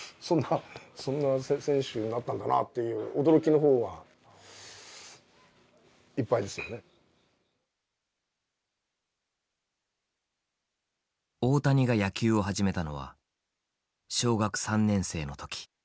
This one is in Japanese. そんな選手になったんだなっていう大谷が野球を始めたのは小学３年生の時。